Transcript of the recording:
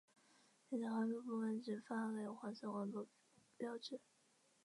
因此环保部门只发给黄色环保标志。